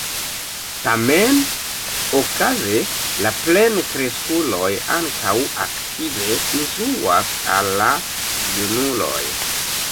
Tamen, okaze la plenkreskuloj ankaŭ aktive instruas al la junuloj.